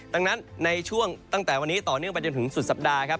ดังนั้นในช่วงตั้งแต่วันนี้ต่อเนื่องไปจนถึงสุดสัปดาห์ครับ